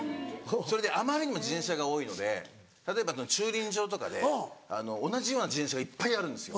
それであまりにも自転車が多いので例えば駐輪場とかで同じような自転車がいっぱいあるんですよ。